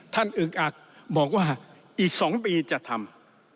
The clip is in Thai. อึกอักบอกว่าอีก๒ปีจะทำ